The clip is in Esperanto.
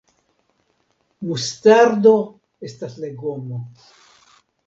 Mustardo estas legomo.